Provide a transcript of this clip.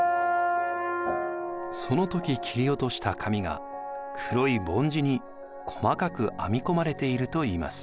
その時切り落とした髪が黒いぼん字に細かく編み込まれているといいます。